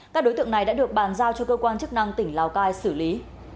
các đối tượng này đã được bàn giao cho cơ quan chức năng tỉnh lào cai xử lý